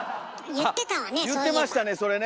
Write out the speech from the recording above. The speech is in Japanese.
言ってましたねそれね。